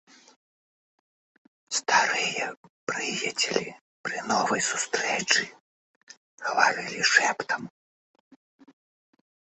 Старыя прыяцелі пры новай сустрэчы гаварылі шэптам.